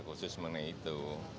khusus mengenai itu